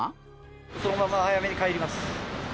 そのまま早めに帰ります。